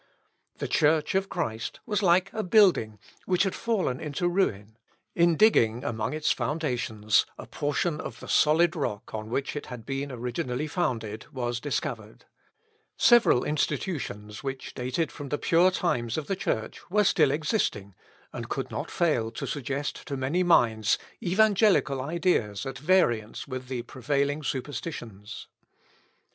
The Church of Christ was like a building which had fallen into ruin; in digging among its foundations, a portion of the solid rock on stitutions, which dated from the pure times of the Church, were still existing, and could not fail to suggest to many minds evangelical ideas utterly at variance with the prevailing superstitions.